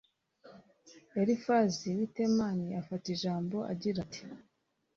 elifazi w'i temani afata ijambo, agira ati